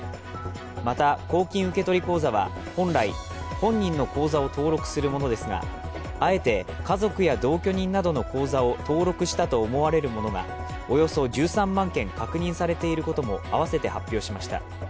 また、公金受取口座は本来、本人の口座を登録するものですが、あえて家族や同居人などの口座を登録したと思われるものがおよそ１３万件確認されていることも合わせて発表しました。